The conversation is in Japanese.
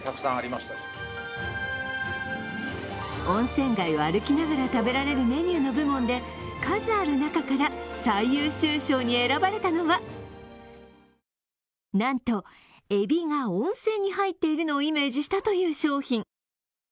温泉街を歩きながら食べられるメニューの部門で数ある中から最優秀賞に選ばれたのは、なんと、えびが温泉に入っているのをイメージしたという商品。